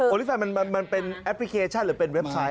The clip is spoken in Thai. ลิฟแฟนมันเป็นแอปพลิเคชันหรือเป็นเว็บไซต์